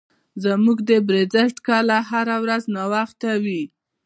زموږ د بریځر ټکله هره ورځ ناوخته وي.